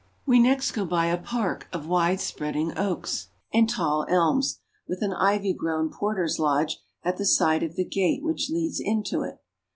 We next go by a park of widespreading oaks and tall elms, with an ivy grown porter's lodge at the side of the gate which leads into it.